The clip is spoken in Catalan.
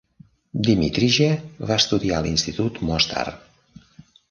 Dimitrije va estudiar a l'institut Mostar.